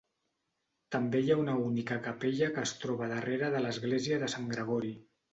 També hi ha una única capella que es troba darrere de l'església de Sant Gregori.